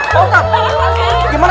pak ustadz apa kabarnya